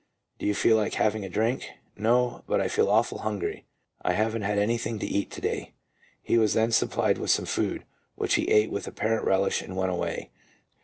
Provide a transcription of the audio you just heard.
" Do you feel like having a drink?" " No, but I feel awful hungry. I haven't had any thing to eat to day." He was then supplied with some food, which he ate with apparent relish, and went away.